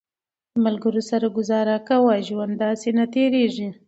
د ملګرو سره ګزاره کوه، ژوند داسې نه تېرېږي